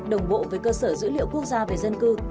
đồng bộ với cơ sở dữ liệu quốc gia về dân cư